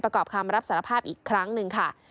ประกอบคำรับสารภาพอีกครั้งหนึ่งค่ะ